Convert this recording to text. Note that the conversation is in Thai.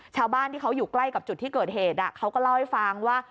ชาวบ้านที่เขาอยู่ใกล้กับจุดที่เกิดเหตุเขาก็เล่าให้ฟังว่า